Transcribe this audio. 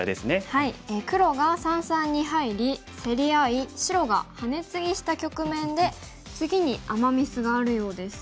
黒が三々に入り競り合い白がハネツギした局面で次にアマ・ミスがあるようです。